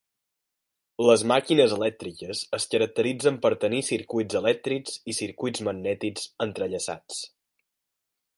Les màquines elèctriques es caracteritzen per tenir circuits elèctrics i circuits magnètics entrellaçats.